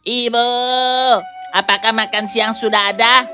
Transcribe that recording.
ibu apakah makan siang sudah ada